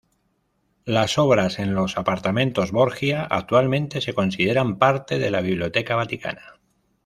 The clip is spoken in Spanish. Las obras en los Apartamentos Borgia actualmente se consideran parte de la Biblioteca Vaticana.